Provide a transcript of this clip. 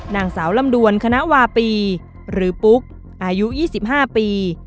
นางสาวลำดวนคณะวาปีหรือปุ๊กอายุยี่สิบห้าปี